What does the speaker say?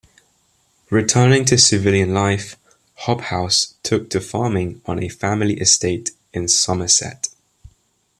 Returning to civilian life, Hobhouse took to farming on a family estate in Somerset.